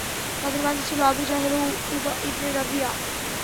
তাদের মাঝে ছিল আবু জাহেল ও উবা ইবনে রবীয়া।